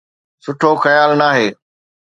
سٺو خيال ناهي.